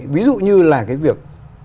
ví dụ như là cái việc